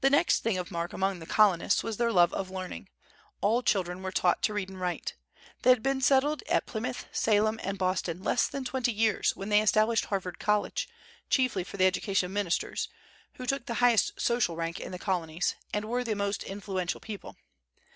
The next thing of mark among the Colonists was their love of learning; all children were taught to read and write. They had been settled at Plymouth, Salem, and Boston less than twenty years when they established Harvard College, chiefly for the education of ministers, who took the highest social rank in the Colonies, and were the most influential people.